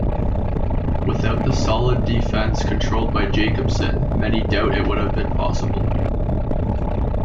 Without the solid defence controlled by Jakobsson, many doubt it would have been possible.